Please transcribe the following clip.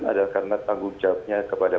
adalah karena tanggung jawabnya kepada